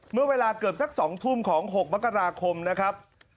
เมื่อเวลาเกือบสัก๒ทุ่มของ๖มกราคมนะครับ